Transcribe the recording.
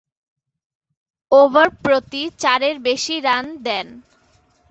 Over প্রতি চারের বেশি রান দেন।